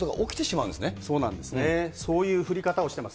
そういう降り方をしてます。